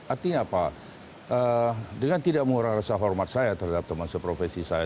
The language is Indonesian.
artinya apa dengan tidak mengurangi rasa hormat saya terhadap teman seprofesi saya